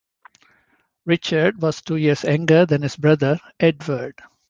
Richard was two years younger than his brother, Edward.